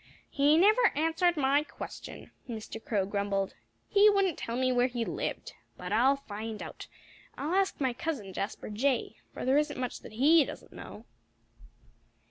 "He never answered my question," Mr. Crow grumbled. "He wouldn't tell me where he lived. But I'll find out. I'll ask my cousin, Jasper Jay; for there isn't much that he doesn't know."